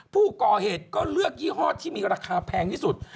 ผู้ก่อเหตุก็เลือกยี่ห้อที่มีราคาแพงที่สุด